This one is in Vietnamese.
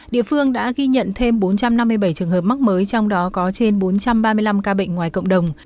địa phương đã ghi nhận thêm bốn trăm năm mươi bảy trường hợp mắc mới trong đó có trên bốn trăm ba mươi năm ca bệnh ngoài cộng đồng